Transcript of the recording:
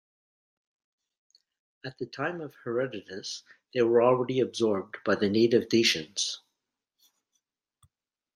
At the time of Herodotus they were already absorbed by the native Dacians.